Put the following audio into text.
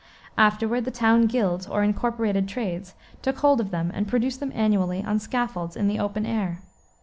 Afterward the town guilds, or incorporated trades, took hold of them and produced them annually on scaffolds in the open air.